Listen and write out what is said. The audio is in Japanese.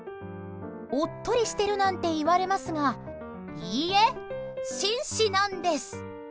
おっとりしてるなんて言われますがいいえ、紳士なんです。